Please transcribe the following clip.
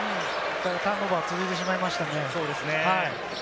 ターンオーバーが続いてしまいましたね。